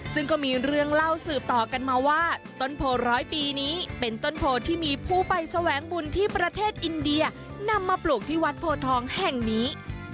ซึ่งก็มีเรื่องเล่าสืบต่อกันมาว่าต้นโพร้อยปีนี้เป็นต้นโพที่มีผู้ไปแสวงบุญที่ประเทศอินเดียนำมาปลูกที่วัดโพทองแห่งนี้